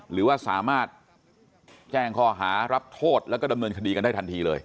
หรือว่าสามารถแจ้งข้อหารับโทษแล้วก็ดำเนินคดีกันได้ทันทีเลย